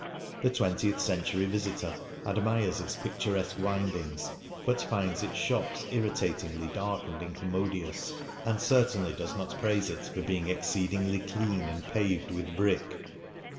The twentieth century visitor admires its picturesque windings, but finds i1;s shops irritatingly dark and incommo dious, and certainly does not praise it for being " exceedingly cleane, and pav'd with brick.''